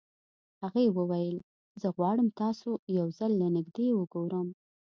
هغې وويل زه غواړم تاسو يو ځل له نږدې وګورم.